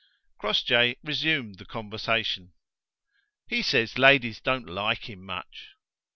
Crossjay resumed the conversation. "He says ladies don't like him much."